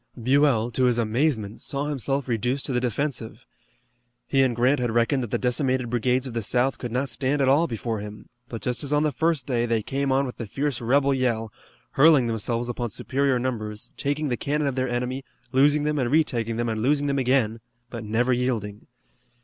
Buell, to his amazement, saw himself reduced to the defensive. He and Grant had reckoned that the decimated brigades of the South could not stand at all before him, but just as on the first day they came on with the fierce rebel yell, hurling themselves upon superior numbers, taking the cannon of their enemy, losing them, and retaking them and losing them again, but never yielding.